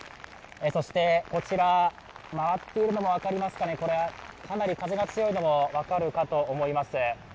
そしてこちら、回っているのが分かりますかね、かなり風が強いのがわかるかと思います。